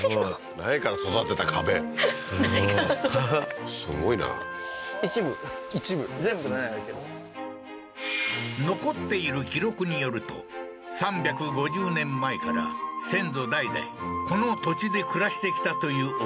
苗から育てた壁すごいすごいな一部残っている記録によると３５０年前から先祖代々この土地で暮らしてきたという奥